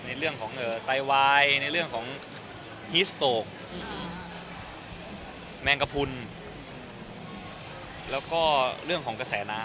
ในเรื่องของไตวายในเรื่องของฮีสโตกแมงกระพุนแล้วก็เรื่องของกระแสน้ำ